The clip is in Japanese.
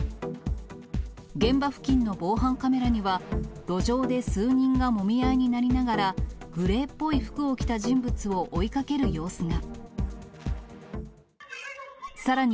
現場付近の防犯カメラには、路上で数人がもみ合いになりながら、グレーっぽい服を着た人物を追いかける様子が。